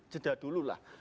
jedah dulu lah